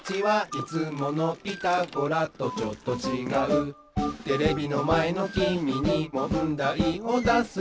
「いつもの『ピタゴラ』とちょっとちがう」「テレビのまえのきみにもんだいをだすぞ」